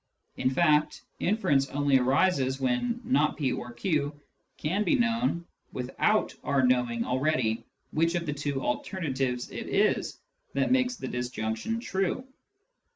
In fact, inference only arises when " not p or q " can be known without our knowing already which of the two alternatives it is that makes the disjunction true.